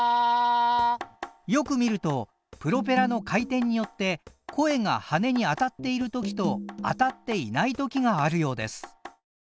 よく見るとプロペラの回転によって声が羽根に当たっている時と当たっていない時があるようです。